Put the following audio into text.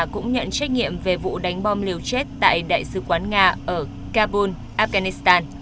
cũng nhận trách nhiệm về vụ đánh bom liều chết tại đại sứ quán nga ở kabul afghanistan